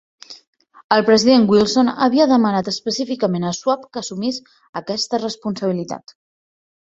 El president Wilson havia demanat específicament a Schwab que assumís aquesta responsabilitat.